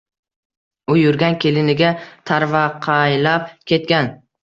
U yurgan keliniga, tarvaqaylab ketgan.